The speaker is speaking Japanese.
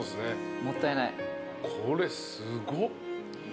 これすごっ。